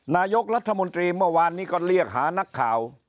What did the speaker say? นายกรัฐมนตรีเมื่อวานนี้ก็เรียกหานักข่าว